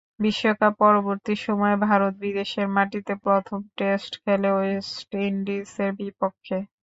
বিশ্বকাপ-পরবর্তী সময়ে ভারত বিদেশের মাটিতে প্রথম টেস্ট খেলে ওয়েস্ট ইন্ডিজের বিপক্ষে।